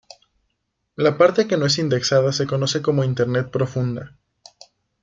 La parte que no es indexada se conoce como Internet profunda.